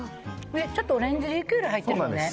ちょっとオレンジリキュール入ってますよね。